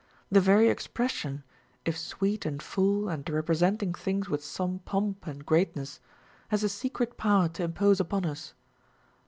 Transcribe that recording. The very expression, if sweet and full and representing things with some pomp and greatness, has a secret power to impose upon us.